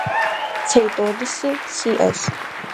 Цей тӀорыси сиӀэщ…